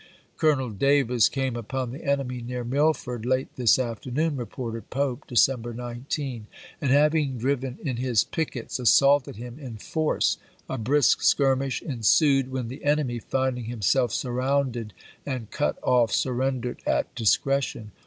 "Colonel Davis came upon the enemy near Milford late this afternoon," reported Pope, December 19, " and, having driven in his pickets, assaulted him in force. A brisk skirmish ensued, when the enemy, finding himself sm rounded and cut off, surrendered at discretion.